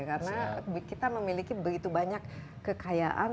karena kita memiliki begitu banyak kekayaan